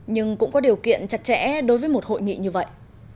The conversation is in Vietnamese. nhưng cũng có điều kiện chặt chẽ đối với một hội nghị như vậy